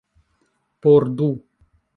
Por du.